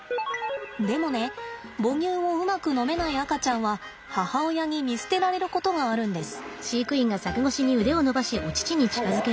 でもね母乳をうまく飲めない赤ちゃんは母親に見捨てられることがあるんです。